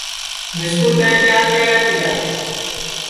مِسکُو تئیں کیا کیہیا تیا